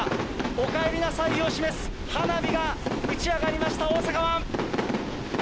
おかえりなさいを示す花火が打ち上がりました、大阪湾！